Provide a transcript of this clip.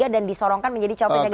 dan disorongkan menjadi cowok cowok